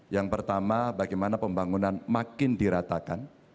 yang pertama bagaimana pembangunan makin diratakan